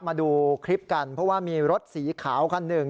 มาดูคลิปกันเพราะว่ามีรถสีขาวคันหนึ่ง